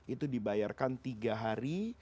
itu dibayarkan tiga hari